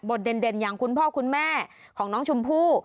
เด่นอย่างคุณพ่อคุณแม่ของน้องชมพู่